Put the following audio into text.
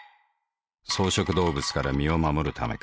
草食動物から身を護るためか。